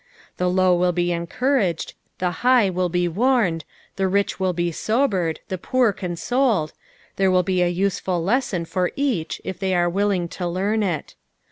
The low will be encouraged, the high will be warned, the rich will be sobered, the poor consoled, there will be a useful lesson for each if they ore willing to learn it.